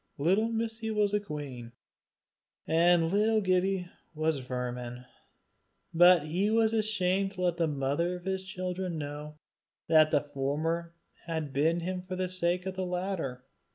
Little Missie was a queen, and little Gibbie was a vermin, but he was ashamed to let the mother of his children know that the former had bitten him for the sake of the latter.